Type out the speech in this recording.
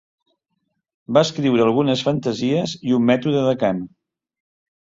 Va escriure algunes fantasies i un mètode de cant.